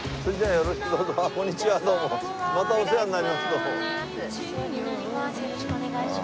よろしくお願いします。